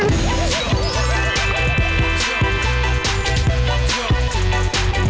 สวัสดีค่ะ